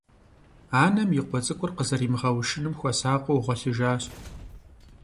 Анэм и къуэ цӀыкӀур къызэримыгъэушыным хуэсакъыу гъуэлъыжащ.